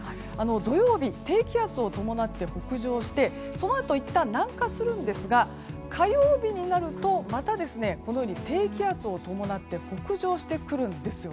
土曜日、低気圧を伴って北上してそのあといったん南下するんですが火曜日になるとまた低気圧を伴って北上してくるんです。